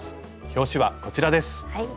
表紙はこちらです。